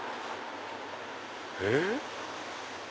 えっ？